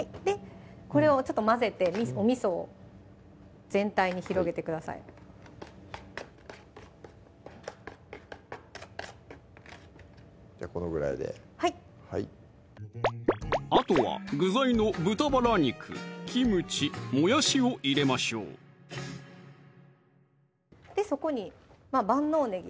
これをちょっと混ぜておみそを全体に広げてくださいじゃこのぐらいではいあとは具材の豚バラ肉・キムチ・もやしを入れましょうそこに万能ねぎ